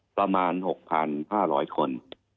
ประมาณ๖๕๐๐คน